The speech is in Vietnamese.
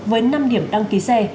với năm điểm đăng ký xe